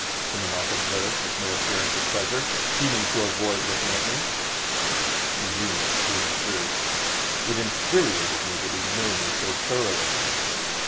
Simonov observed, with no appearance of pleasure, seeming to avoid looking at me. He knew me through and through. It infuriated me that he knew me so thoroughly.